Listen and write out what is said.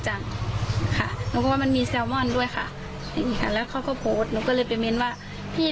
ให้พวกคุณไปกินแล้วแล้วพี่ข้ามาเขาก็บอกว่าพี่